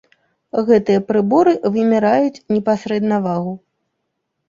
Гэтыя прыборы вымераюць непасрэдна вагу.